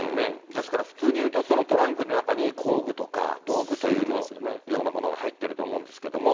ですから普通にいうと、そのトランクの中に、工具とか道具というようなものが入ってると思うんですけども。